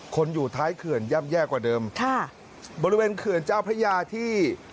อยู่ท้ายเขื่อนย่ำแย่กว่าเดิมค่ะบริเวณเขื่อนเจ้าพระยาที่